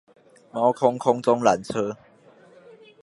貓空空中纜車